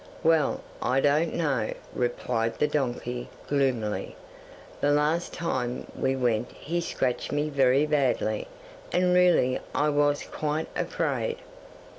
'"Well, I don't know," replied the donkey gloomily, "the last time we went he scratched me very badly, and really I was quite afraid."